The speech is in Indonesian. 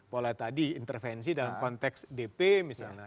pola tadi intervensi dalam konteks dp misalnya